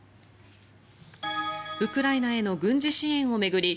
ウクライナへの軍事支援を巡り